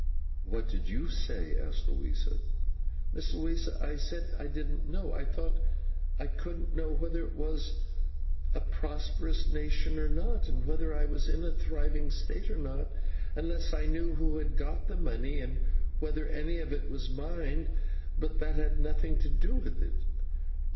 'What did you say?' asked Louisa. 'Miss Louisa, I said I didn't know. I thought I couldn't know whether it was a prosperous nation or not, and whether I was in a thriving state or not, unless I knew who had got the money, and whether any of it was mine. But that had nothing to do with it.